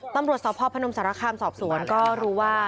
ตำรวจสพพนมสารคามสอบสวนก็รู้ว่า